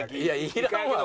いらんわ！